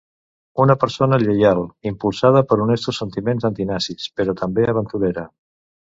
Una persona lleial, impulsada per honestos sentiments antinazis, però també aventurera.